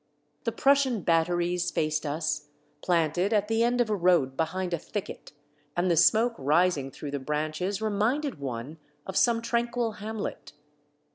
The Prussian batteries faced us, planted at the end of a road behind a thicket, and the smoke rising through the branches reminded one of some tranquil hamlet.